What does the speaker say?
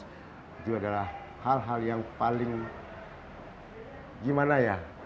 itu adalah hal hal yang paling gimana ya